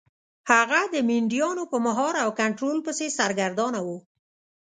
هغه د مینډیانو په مهار او کنټرول پسې سرګردانه و.